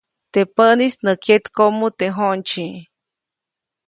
Teʼ päʼnis nä kyetkoʼmu teʼ j̃oʼndsyi.